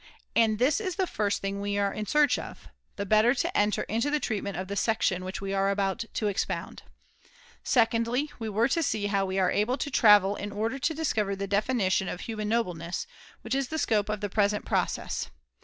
And this is the first thing we were in search of, the better to enter into the treatment of the section 2°. which we are about to expound. Secondly, [lOo] we were to see how we are to travel in order to discover the definition of human noble ness, which is the scope of the present process.